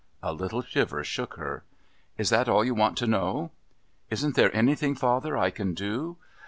A little shiver shook her. "Is that all you want to know?" "Isn't there anything, father, I can do?"